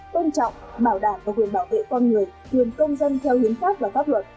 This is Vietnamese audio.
tôn trọng bảo đảm và quyền bảo vệ con người quyền công dân theo hiến pháp và pháp luật